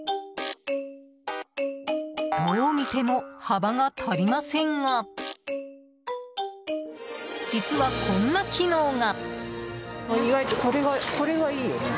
どう見ても幅が足りませんが実は、こんな機能が。